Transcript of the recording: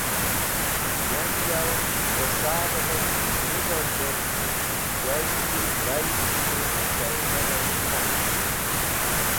Yan yaw dẽ sar-e ark nidhũvd et yow yi bayd k̃hũ shuwarer k̃hand.